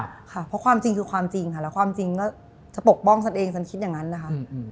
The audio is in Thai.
ค่ะเพราะความจริงคือความจริงค่ะแล้วความจริงก็จะปกป้องฉันเองฉันคิดอย่างนั้นนะคะ